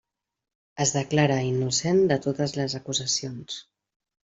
Es declara innocent de totes les acusacions.